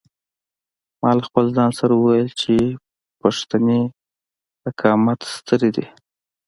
ما له ځان سره وویل چې پښتنې په قامت سترې دي.